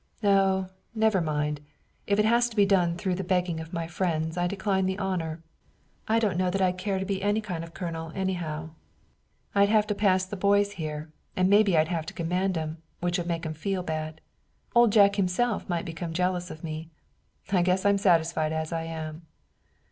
"Oh, never mind. If it has to be done through the begging of my friends I decline the honor. I don't know that I'd care to be any kind of a colonel, anyhow. I'd have to pass the boys here, and maybe I'd have to command 'em, which would make 'em feel bad. Old Jack himself might become jealous of me. I guess I'm satisfied as I am."